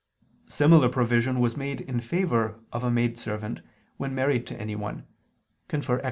Similar provision was made in favor of a maidservant when married to anyone (Ex.